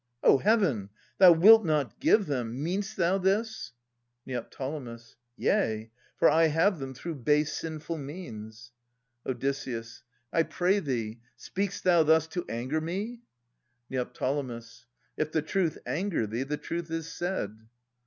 O Heaven ! thou wilt not give them ! Mean'st thou this ? Neo. Yea, for I have them through base sinful means. Od. I pray thee, speak'st thou thus to anger me? Neo. If the truth anger thee, the truth is said.